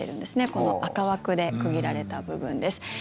この赤枠で区切られた部分です。